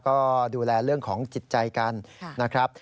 ก็ดูแลเรื่องของจิตใจกันนะครับ